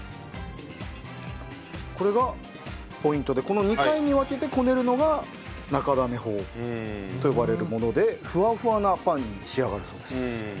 これがポイントでこの２回に分けてこねるのが中種法と呼ばれるものでふわふわなパンに仕上がるそうです。